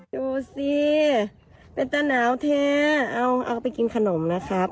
ดูสิเป็นตะหนาวแท้เอาไปกินขนมนะครับ